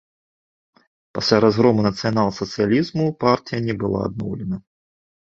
Пасля разгрому нацыянал-сацыялізму партыя не была адноўлена.